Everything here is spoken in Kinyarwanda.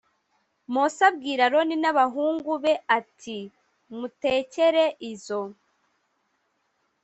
Mose abwira aroni n abahungu be ati mutekere izo